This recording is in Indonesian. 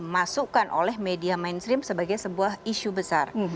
karena itu juga bisa dipercayai oleh media mainstream sebagai sebuah isu besar